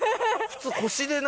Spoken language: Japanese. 普通。